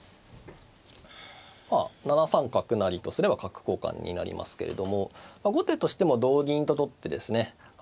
７三角成とすれば角交換になりますけれども後手としても同銀と取ってですね